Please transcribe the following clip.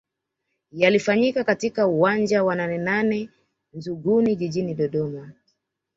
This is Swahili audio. Yalifanyika katika uwanja wa Nanenane Nzuguni Jijini Dodoma